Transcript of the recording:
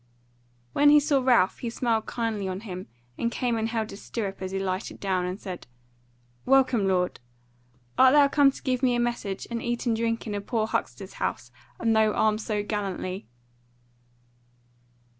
When he saw Ralph he smiled kindly on him, and came and held his stirrup as he lighted down, and said: "Welcome, lord! Art thou come to give me a message, and eat and drink in a poor huckster's house, and thou armed so gallantly?"